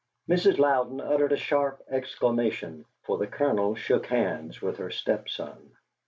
Mrs. Louden uttered a sharp exclamation, for the Colonel shook hands with her stepson.